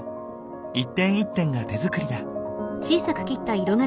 一点一点が手作りだ。